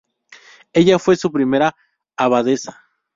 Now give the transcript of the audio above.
Ella fue su primera abadesa.